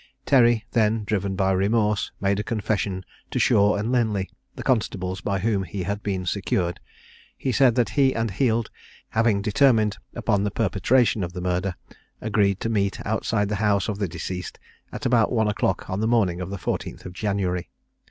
Terry then, driven by remorse, made a confession to Shaw and Linley, the constables by whom he had been secured. He said that he and Heald, having determined upon the perpetration of the murder, agreed to meet outside the house of the deceased at about one o'clock on the morning of the 14th of January.